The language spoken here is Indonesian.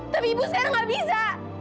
tapi ibu sekarang gak bisa